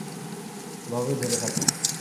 এভাবেই ধরে থাকো।